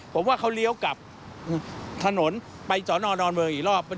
ผมว่าเขาเลี้ยวกลับถนนไปสอนอดอนเมืองอีกรอบ